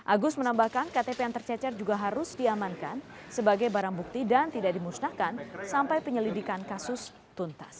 agus menambahkan ktp yang tercecer juga harus diamankan sebagai barang bukti dan tidak dimusnahkan sampai penyelidikan kasus tuntas